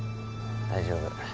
大丈夫。